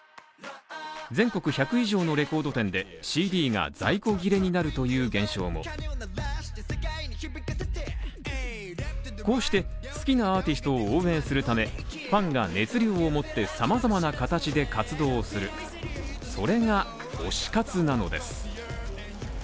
全国１００以上のレコード店でＣＤが在庫切れになるという現象もこうして好きなアーティストを応援するためファンが熱を持って様々な形で活動するそれが推し活なのです。